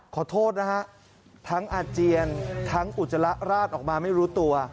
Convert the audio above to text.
ขอโทษนะฮะทั้งอาเจียนทั้งอุจจาระราดออกมาไม่รู้ตัว